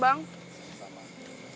bagus ya bang